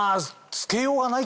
つけようがない？